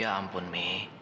ya ampun mi